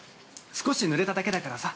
少しぬれただけだからさ。